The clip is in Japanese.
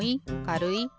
かるい？